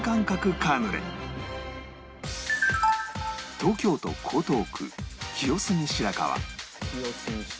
東京都江東区清澄白河